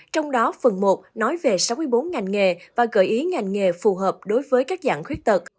trong đó phần một nói về sáu mươi bốn ngành nghề và gợi ý ngành nghề phù hợp đối với các dạng khuyết tật